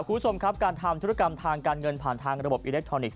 คุณผู้ชมครับการทำธุรกรรมทางการเงินผ่านทางระบบอิเล็กทรอนิกส